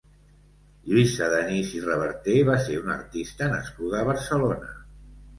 Lluïsa Denís i Reverter va ser una artista nascuda a Barcelona.